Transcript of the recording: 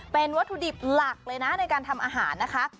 เป็นวัตถุดิบหลักเลยนะในการทำอาหารนะคะ